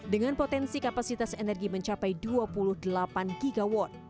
dengan potensi kapasitas energi mencapai dua puluh delapan gigawatt